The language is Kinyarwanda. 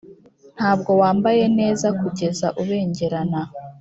ntabwo wambaye neza kugeza ubengerana.